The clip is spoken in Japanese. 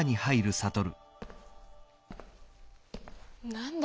何だ？